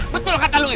betul kata lo em